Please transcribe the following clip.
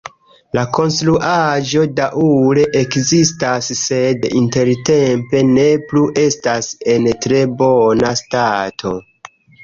La konstruaĵo daŭre ekzistas, sed intertempe ne plu estas en tre bona stato.